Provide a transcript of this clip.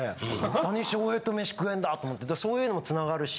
なに翔平と飯食えんだと思ってそういうのも繋がるし。